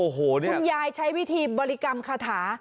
คุณยายใช้วิธีบริกรรมคาถา